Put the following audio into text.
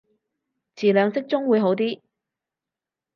詞量適中會好啲